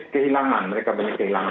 kehilangan mereka banyak kehilangan